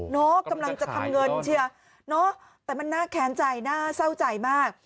กำลังจะทำเงินเชียร์เนาะแต่มันน่าแค้นใจน่าเศร้าใจมาก